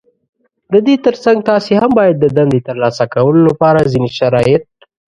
د دې تر څنګ تاسې هم بايد د دندې ترلاسه کولو لپاره ځينې شرايط